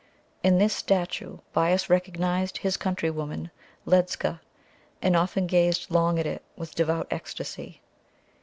In this statue Bias recognised his countrywoman Ledscha, and often gazed long at it with devout ecstasy.